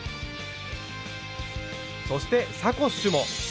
そして「サコッシュ」も。